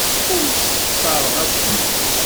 Ur ssexṣareɣ acemma.